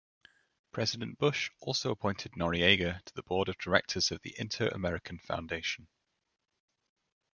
President Bush also appointed Noriega to the Board of Directors of the Inter-American Foundation.